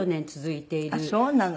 あっそうなの？